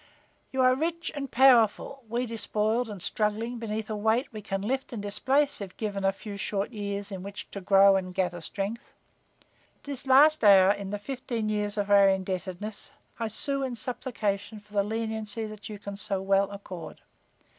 You are rich and powerful, we despoiled and struggling beneath a weight we can lift and displace if given a few short years in which to grow and gather strength. At this last hour in the fifteen years of our indebtedness, I sue in supplication for the leniency that you can so well accord.